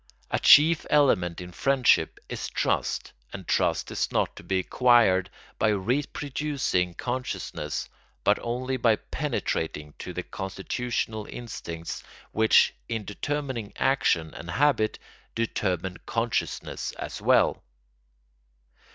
A chief element in friendship is trust, and trust is not to be acquired by reproducing consciousness but only by penetrating to the constitutional instincts which, in determining action and habit, determine consciousness as well.